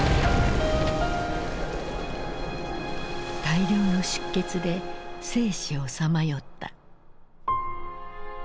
大量の出血で生死をさまよった。